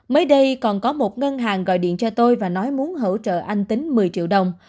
mới đây còn có một ngân hàng gọi điện cho tôi và nói muốn hỗ trợ anh tính một mươi triệu đồng